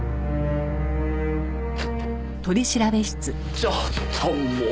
ちょっともう！